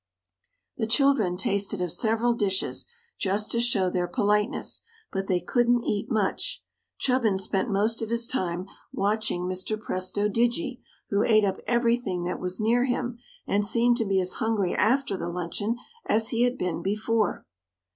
The children tasted of several dishes, just to show their politeness; but they couldn't eat much. Chubbins spent most of his time watching Mr. Presto Digi, who ate up everything that was near him and seemed to be as hungry after the luncheon as he had been before.